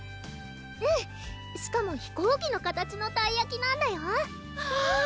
うんしかも飛行機の形のたいやきなんだよわぁ！